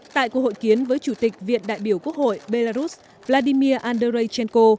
tại cuộc hội kiến với chủ tịch viện đại biểu quốc hội belarus vladimir anderreshenko